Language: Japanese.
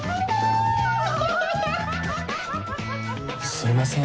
すいません